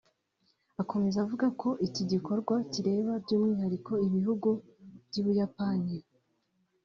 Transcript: Akomeza avuga ko iki gikorwa kireba by’umwihariko ibihugu by’u Buyapani